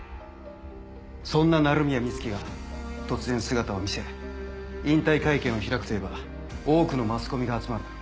そんな鳴宮美月が突然姿を見せ引退会見を開くと言えば多くのマスコミが集まるだろう。